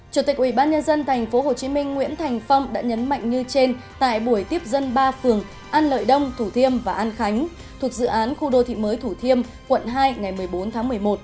chủ tịch ubnd tp hcm nguyễn thành phong đã nhấn mạnh như trên tại buổi tiếp dân ba phường an lợi đông thủ thiêm và an khánh thuộc dự án khu đô thị mới thủ thiêm quận hai ngày một mươi bốn tháng một mươi một